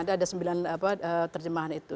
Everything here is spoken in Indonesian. ada sembilan terjemahan itu